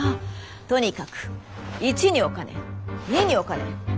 とにかく一にお金二にお金。